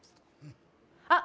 あっ